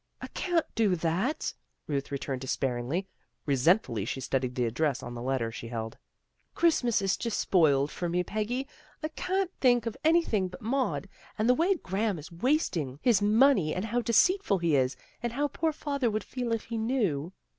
"I can't do that," Ruth returned despair ingly. Resentfully she studied the address on the letter she held. " Christmas is just spoiled for me, Peggy. I can't think of anything but Maud, and the way Graham is wasting his 180 THE GIRLS OF FRIENDLY TERRACE money, and how deceitful he is, and how poor father would feel if he knew."